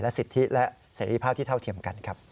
สิทธิและเสรีภาพที่เท่าเทียมกันครับ